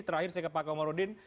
terakhir saya ke pak komarudin